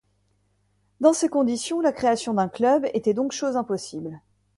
Dans ces conditions la création d'un club était donc chose impossible.